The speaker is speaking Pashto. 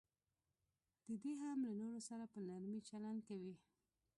دی دې هم له نورو سره په نرمي چلند کوي.